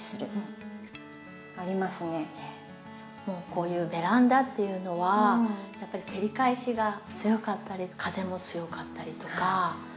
こういうベランダっていうのはやっぱり照り返しが強かったり風も強かったりとか。